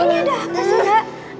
ini ada apa sih kak